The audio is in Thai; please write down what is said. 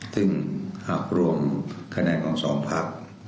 ซึ่งหากรวมคะแนนของสองพัก